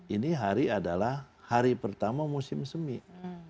ini hari adalah hari pertama musim semi